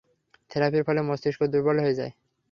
থেরাপির ফলে মস্তিষ্ক দূর্বল হয়ে যায়।